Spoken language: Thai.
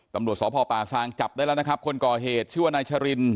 ตำรวจสพป่าซางจับได้แล้วนะครับคนก่อเหตุชื่อว่านายชริน